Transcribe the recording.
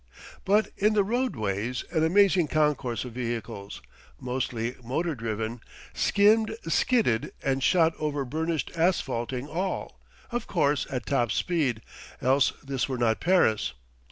But in the roadways an amazing concourse of vehicles, mostly motor driven, skimmed, skidded, and shot over burnished asphalting all, of course, at top speed else this were not Paris.